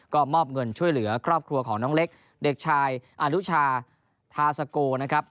ก็มอบเงินช่วยเหลือครอบครัวของน้องเล็กเด็กชายอนุชาทาสโกนะครับ